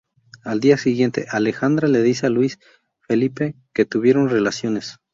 Al día siguiente, Alejandra le dice a Luis Felipe que tuvieron relaciones.